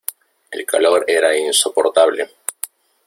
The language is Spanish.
el calor era insoportable.